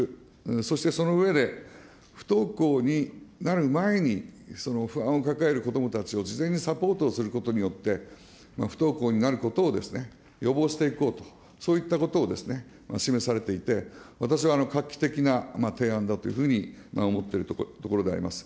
そしてその上で、不登校になる前に、不安を抱える子どもたちを事前にサポートすることによって、不登校になることを予防していこうと、そういったことを示されていて、私は画期的な提案だというふうに思っているところであります。